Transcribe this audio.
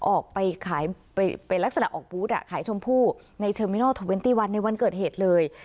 ออกไปขายเป็นลักษณะออกบูธขายชมพู่ในเทอร์มินอลทอเวนตี้วันในวันเกิดเหตุเลย